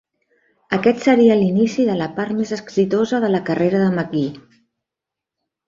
Aquest seria l'inici de la part més exitosa de la carrera de McGhee.